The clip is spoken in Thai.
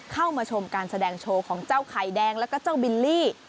เข้ามาชมการแสดงโชว์ของเจ้าไข่แดงแล้วก็เจ้าบิลลี่